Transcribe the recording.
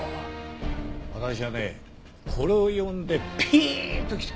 私はねこれを読んでピーンときたんだ。